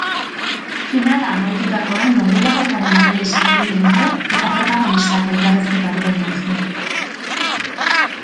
Finala amaitutakoan, norgehiagokaren analisia egingo dute, eta protagonistak elkarrizketatuko dituzte.